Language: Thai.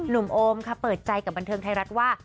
โอมค่ะเปิดใจกับบันเทิงไทยรัฐว่า